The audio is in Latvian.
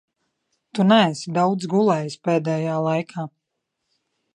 Tu neesi daudz gulējis pēdējā laikā.